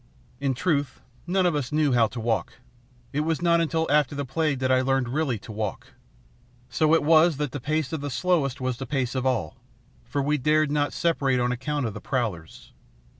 In truth, none of us knew how to walk. It was not until after the plague that I learned really to walk. So it was that the pace of the slowest was the pace of all, for we dared not separate on account of the prowlers.